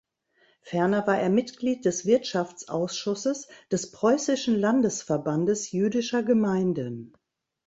Ferner war er Mitglied des Wirtschaftsausschusses des Preußischen Landesverbandes jüdischer Gemeinden.